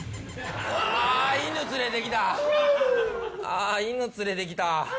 ああ犬連れてきた。